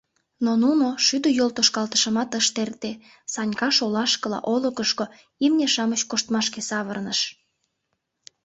Но нуно шӱдӧ йолтошкалтышымат ышт эрте, Санька шолашкыла, олыкышко, имне-шамыч коштмашке савырныш.